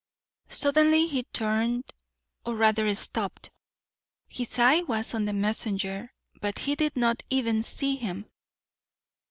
Suddenly he turned or rather stopped. His eye was on the messenger, but he did not even see him.